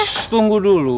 shhh tunggu dulu